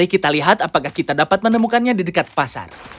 kita lihat apakah kita dapat menemukannya di dekat pasar